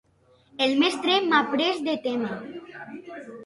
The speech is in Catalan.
El mestre m'ha pres de tema.